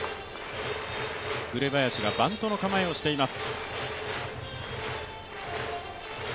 紅林がバントの構えをしています。